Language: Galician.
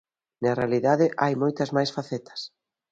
Na realidade hai moitas máis facetas.